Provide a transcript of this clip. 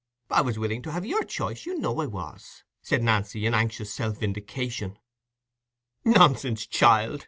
I was willing to have your choice, you know I was," said Nancy, in anxious self vindication. "Nonsense, child!